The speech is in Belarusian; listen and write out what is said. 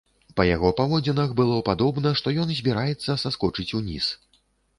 Па яго паводзінах было падобна, што ён збіраецца саскочыць уніз.